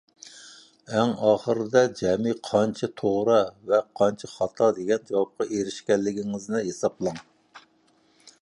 ئەڭ ئاخىرىدا جەمئىي قانچە «توغرا» ۋە قانچە «خاتا» دېگەن جاۋابقا ئېرىشكەنلىكىڭىزنى ھېسابلاڭ.